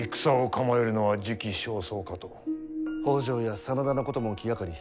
北条や真田のことも気がかり。